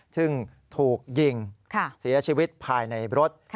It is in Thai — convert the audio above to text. ซึ่งถูกยิงเสียชีวิตภายในรถ